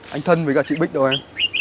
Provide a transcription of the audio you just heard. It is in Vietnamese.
anh thân với cả chị bích đâu em